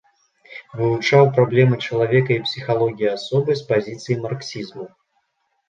Вывучаў праблемы чалавека і псіхалогіі асобы з пазіцый марксізму.